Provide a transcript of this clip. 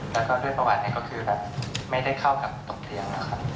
แล้วก็ด้วยประวัตินี้ก็คือแบบไม่ได้เข้ากับตกเตียงนะครับ